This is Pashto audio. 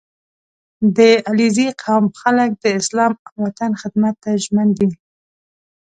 • د علیزي قوم خلک د اسلام او وطن خدمت ته ژمن دي.